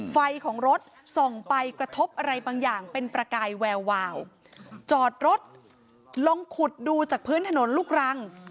ไฟของรถส่องไปกระทบอะไรบางอย่างเป็นประกายแวววาวจอดรถลองขุดดูจากพื้นถนนลูกรัง